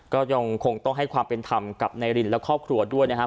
ก็ยังคงต้องให้ความเป็นธรรมกับนายรินและครอบครัวด้วยนะครับ